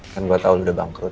kan gue tau udah bangkrut